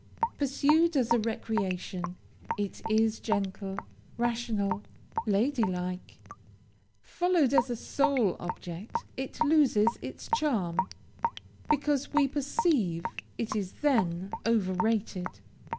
Pursued as a recreation, it is gentle, rational, lady like. Followed as a sole object, it loses its charm, because we perceive it is then over rated.